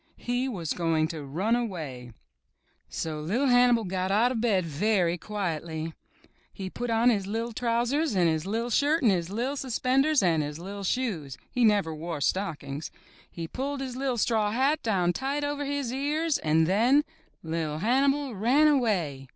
He was going to run away ! So Li'r Hannibal got out of bed very quietly. He put on his li'r trousers and his IVV shirt and his IVV suspenders and his li'T shoes — he never wore stock ings. He pulled his IVV straw hat down tight over his ears and then — Li*r Hannibal ran away!